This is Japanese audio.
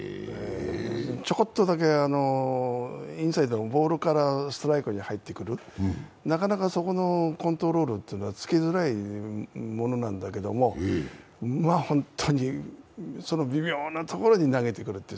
ちょこっとだけインサイドのボールからストライクに入ってくる、なかなかそこのコントロールというのはつけづらいものなんだけども、まあホントに、微妙なところに投げてくる。